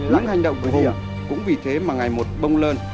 những hành động của hùng cũng vì thế mà ngày một bông lên